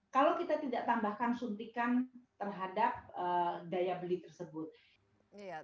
kalau kita tidak tambahkan suntikan terhadap daya beli tersebut